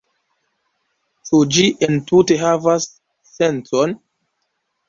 Ĉu ĝi entute havas sencon?